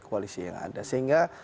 koalisi yang ada sehingga